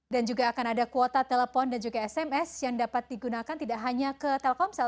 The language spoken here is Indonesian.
dan juga akan ada kuota telepon dan juga sms yang dapat digunakan tidak hanya ke telkomsel